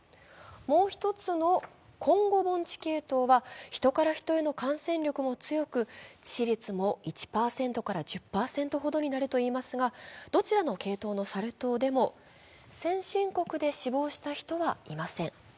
もう１つのコンゴ盆地系統は、ヒトからヒトへの感染力も強く、致死率も１％から１０％ほどになるといいますが、どちらの系統のサル痘でも先進国で死亡した人はいません。